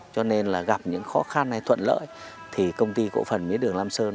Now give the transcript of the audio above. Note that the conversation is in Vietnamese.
cho nên là gặp những khó khăn hay thuận lợi thì công ty cổ phần mía đường lam sơn